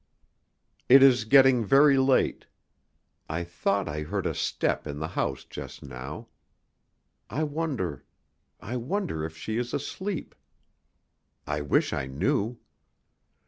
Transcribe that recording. It is getting very late. I thought I heard a step in the house just now. I wonder I wonder if she is asleep. I wish I knew.